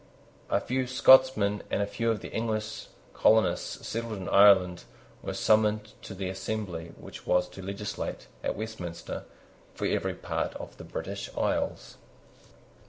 A few Scotchmen and a few of the English colonists settled in Ireland were summoned to the assembly which was to legislate, at Westminster, for every part of the British isles.